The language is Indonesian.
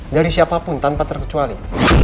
dari siapapun tanpa terkecuali